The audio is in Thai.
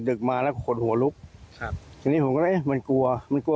เดั็กมาแล้วก็โคลดหัวลุกคุณนี่ผมก็เลยมันกลัว